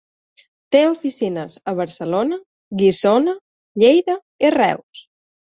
Té oficines a Barcelona, Guissona, Lleida i Reus.